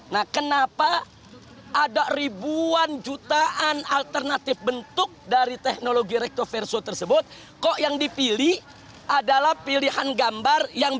nah kenapa ada ribuan juta